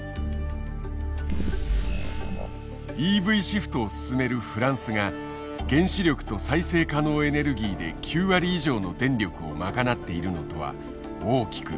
ＥＶシフトを進めるフランスが原子力と再生可能エネルギーで９割以上の電力を賄っているのとは大きく異なる。